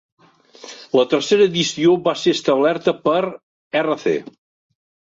La tercera edició va ser establerta per R.c.